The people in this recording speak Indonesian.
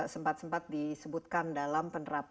sempat sempat disebutkan dalam penerapan